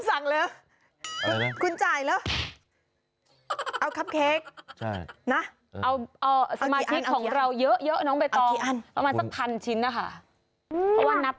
ในเพจก็จะมีนี่สั่งทำเค้กวันเกิดได้